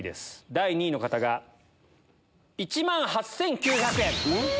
第２位の方が１万８９００円。